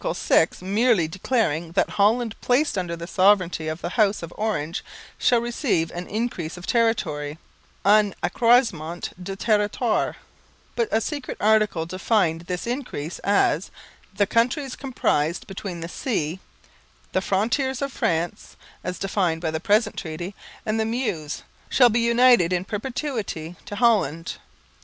VI merely declaring that "Holland placed under the sovereignty of the House of Orange shall receive an increase of territory un accroissement de territoire"; but a secret article defined this increase as "the countries comprised between the sea, the frontiers of France, as defined by the present treaty; and the Meuse shall be united in perpetuity to Holland.